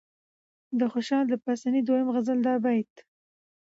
د خوشال د پاسني دويم غزل دا بيت